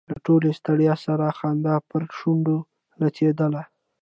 له ټولې ستړیا سره یې خندا پر شونډو نڅېدله.